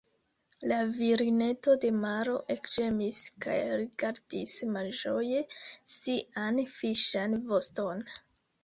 La virineto de maro ekĝemis kaj rigardis malĝoje sian fiŝan voston.